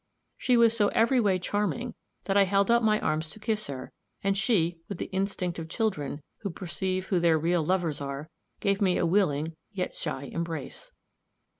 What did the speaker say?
She was so every way charming that I held out my arms to kiss her, and she, with the instinct of children, who perceive who their real lovers are, gave me a willing yet shy embrace.